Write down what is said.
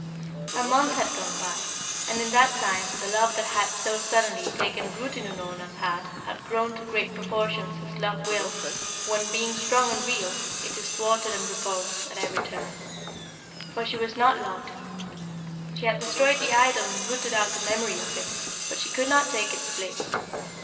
A month had gone by, and in that time the love that had so suddenly taken root in Unorna's heart had grown to great proportions as love will when, being strong and real, it is thwarted and repulsed at every turn. For she was not loved. She had destroyed the idol and rooted out the memory of it, but she could not take its place.